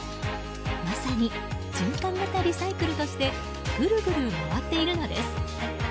まさに循環型リサイクルとしてぐるぐる回っているのです。